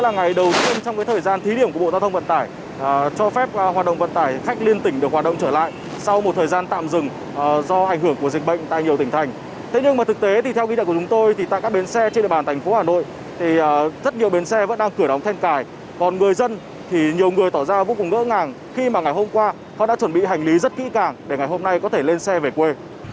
nhiều người tỏ ra vô cùng ngỡ ngàng khi mà ngày hôm qua họ đã chuẩn bị hành lý rất kỹ càng để ngày hôm nay có thể lên xe về quê